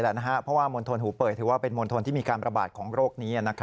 เพราะว่ามณฑลหูเป่ยถือว่าเป็นมณฑลที่มีการประบาดของโรคนี้